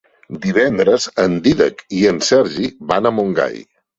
Divendres en Dídac i en Sergi van a Montgai.